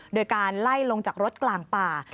โดยการไล่ลงจากรถกลางป่า